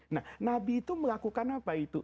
nah nabi itu melakukan apa itu